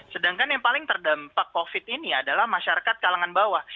sedangkan yang paling terdampak covid ini adalah masyarakat kalangan bawah